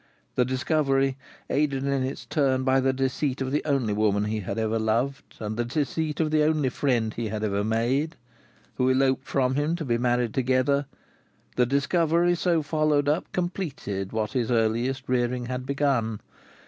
The discovery—aided in its turn by the deceit of the only woman he had ever loved, and the deceit of the only friend he had ever made: who eloped from him to be married together—the discovery, so followed up, completed what his earliest rearing had begun.